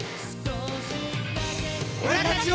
俺たちを。